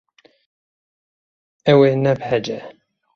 Ew ê nebehece.